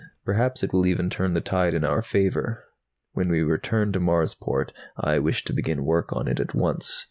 Perhaps it will even turn the tide in our favor. When we return to Marsport I wish to begin work on it at once.